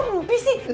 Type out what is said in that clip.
gue mumpi sih